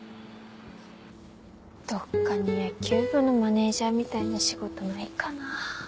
どっかに野球部のマネジャーみたいな仕事ないかなぁ。